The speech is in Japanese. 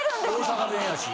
大阪弁やし。